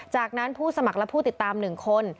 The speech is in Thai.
จากนั้นผู้สมัครและผู้ติดตาม๑คน